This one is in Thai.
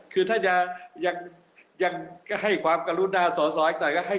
คือถ้ายังให้ความกระรุ่นด้านซ้อนอีกหน่อย